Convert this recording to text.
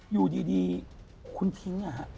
อยู่ดีคุณทิ้งอะฮะ